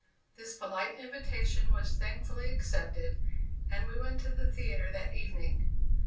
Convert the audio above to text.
This polite invitation was thankfully accepted, and we went to the theatre that evening.